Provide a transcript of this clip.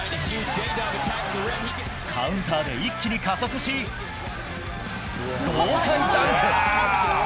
カウンターで一気に加速し、豪快ダンク。